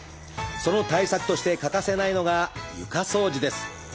その対策として欠かせないのが床掃除です。